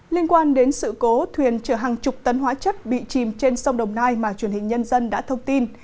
liên quan đến sự cố thuyền chở hàng chục tấn hóa chất bị chìm trên sông đồng nai mà truyền hình nhân dân đã thông tin